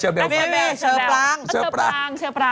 เชอร์พลัง